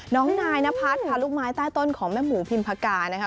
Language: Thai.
น้องนายนพัฒน์ค่ะลูกไม้ใต้ต้นของแม่หมูพิมพากานะคะ